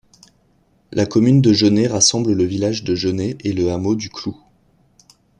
La commune de Genay rassemble le village de Genay et le hameau du Cloux.